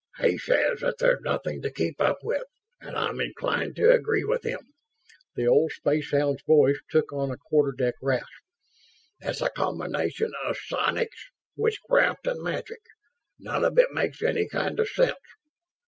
"He says that there's nothing to keep up with, and I'm inclined to agree with him." The old spacehound's voice took on a quarter deck rasp. "It's a combination of psionics, witchcraft and magic. None of it makes any kind of sense."